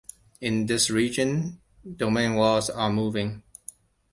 In this region, domain walls are moving.